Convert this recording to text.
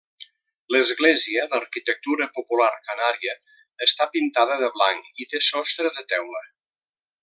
L'església, d'arquitectura popular canària, està pintada de blanc i té sostre de teula.